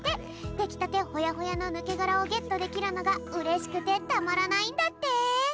できたてホヤホヤのぬけがらをゲットできるのがうれしくてたまらないんだって。